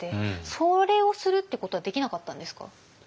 それをするってことはできなかったんですか？